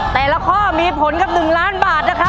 แต่ละข้อมีผลกับ๑ล้านบาทนะครับ